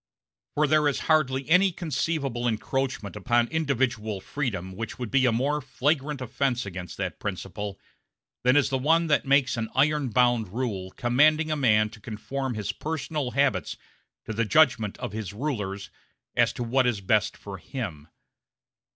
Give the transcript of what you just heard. For there is hardly any conceivable encroachment upon individual freedom which would be a more flagrant offense against that principle than is one that makes an iron bound rule commanding a man to conform his personal habits to the judgment of his rulers as to what is best for him.